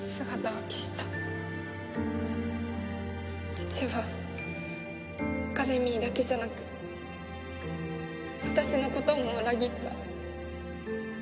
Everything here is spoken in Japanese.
父はアカデミーだけじゃなく私のことも裏切った。